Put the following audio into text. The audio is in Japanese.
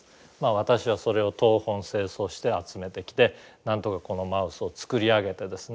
私はそれを東奔西走して集めてきてなんとかこのマウスを作り上げてですね